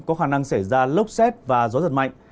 có khả năng xảy ra lốc xét và gió giật mạnh